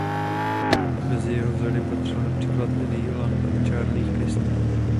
Mezi jeho vzory patřili například Eddie Lang a Charlie Christian.